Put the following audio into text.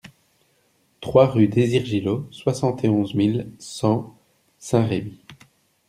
trois rue Desire Gilot, soixante et onze mille cent Saint-Rémy